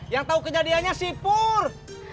yang tau kejadiannya si pur